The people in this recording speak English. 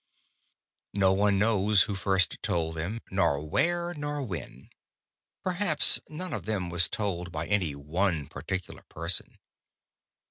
No one knows who first told them, nor where nor when. Perhaps none of them was told by any one particular person.